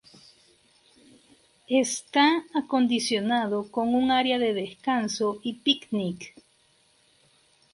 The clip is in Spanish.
Está acondicionado con un área de descanso y picnic.